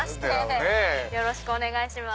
よろしくお願いします。